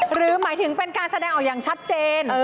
หรือหมายถึงเป็นการแสดงออกอย่างชัดเจน